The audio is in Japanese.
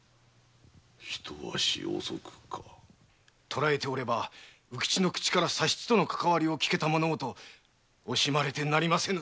捕えておれば卯吉の口から佐七とのかかわりを聞くことができたものをと惜しまれてなりませぬ。